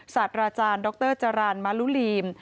สัตว์อาจารย์ดรจรานมารุลีม